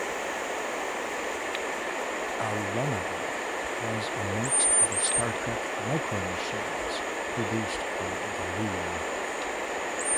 A runabout was amongst the "Star Trek" Micro Machines produced by Galoob.